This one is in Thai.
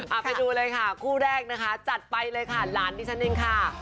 เอาไปดูเลยค่ะคู่แรกนะคะจัดไปเลยค่ะหลานดิฉันเองค่ะ